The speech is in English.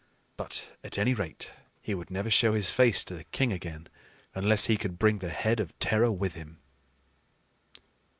But at any rate he would never show his face to the king again, unless he could bring the head of terror with him.